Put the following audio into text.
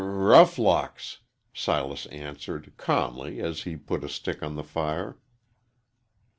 "R roughlocks!" Silas answered, calmly, as he put a stick on the fire.